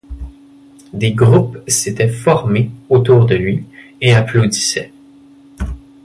Des groupes s'étaient formés autour de lui et applaudissaient.